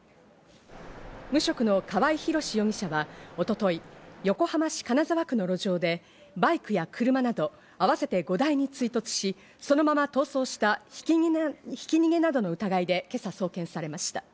無職の川合広司容疑者は一昨日、横浜市金沢区の路上で、バイクや車など合わせて５台に追突し、そのまま逃走したひき逃げなどの疑いで、今朝送検されました。